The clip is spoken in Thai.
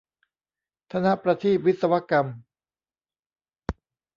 ธนประทีปวิศวกรรม